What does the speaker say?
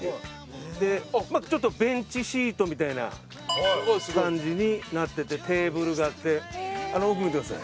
まあちょっとベンチシートみたいな感じになっててテーブルがあってあの奥見てください。